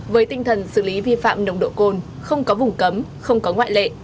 với tinh thần xử lý vi phạm nồng độ cồn không có vùng cấm không có ngoại lệ